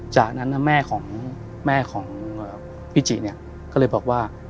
จากนั้นแม่ของแม่ของพี่จิเนี่ยก็เลยบอกว่า